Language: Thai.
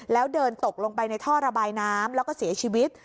แล้วเดินตกลงไปในท่อระบายน้ำแล้วก็เสียชีวิต